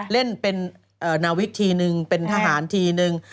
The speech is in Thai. เล่นเป็นนาวิธีหนึ่งเป็นทหารทีนึง